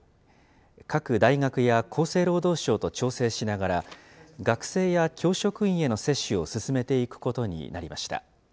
各大学や厚生労働省と調整しながら、学生や教職員への接種を進めていくことになりました。